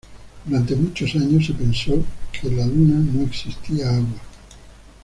Durante muchos años se pensó que en la Luna no existía agua.